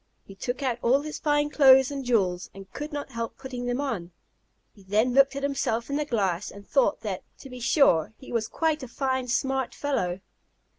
He took out all his fine clothes and jewels, and could not help putting them on. He then looked at himself in the glass, and thought that, to be sure, he was quite a fine smart fellow.